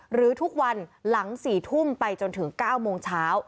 หรือทุกวันหลัง๔ทุ่มไปจนถึง๙โมงเช้า